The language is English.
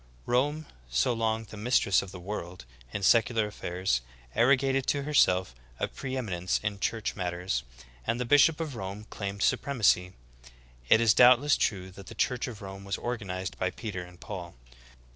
Rome, so long the ''mistress of the world" in secular affairs, arrogated to herself a pre eminence in church mat ters, and the bishop of Rome claimed supremacy. It is doubtless true that the church at Rome was organized by Peter and Paul.